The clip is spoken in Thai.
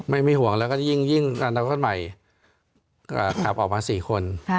ไม่มีห่วงแล้วก็ยิ่งอนาคตใหม่ก็ขับออกมา๔คน